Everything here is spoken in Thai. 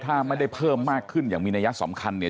ถ้าไม่ได้เพิ่มมากขึ้นอย่างมีนัยสำคัญเนี่ย